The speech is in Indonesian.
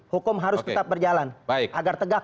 hukum harus tetap berjalan agar tegas